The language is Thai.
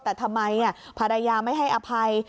แต่ทำไมภรรยาไม่ให้อภัย